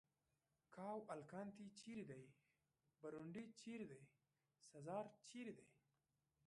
کاوالکانتي چېرې دی؟ برونډي چېرې دی؟ سزار چېرې دی؟